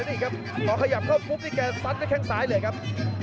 แล้วนี่ครับคอยขยับเข้าปุ๊บนี่มีแค่สัตว์ใสเหลือกับ